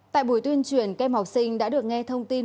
tại buổi tuyên truyền các em học sinh đã được nghe thông tin